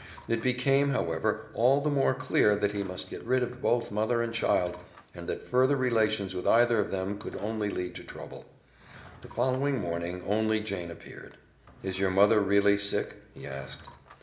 It became, however, all the more clear that he must get rid of both mother and child, and that further relations with either of them could only lead to trouble. The following morning only Jane appeared. "Is your mother really sick?" he asked.